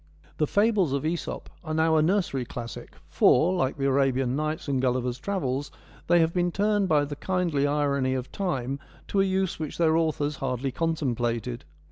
The fables of Mso p are now a nursery classic, for, like the Arabian Nights and Gulliver's Travels, they have been turned by the kindly irony of time to a use which their authors hardly contemplated.